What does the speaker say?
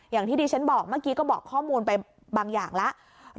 อย่างที่ดิฉันบอกเมื่อกี้ก็บอกข้อมูลไปบางอย่างแล้ว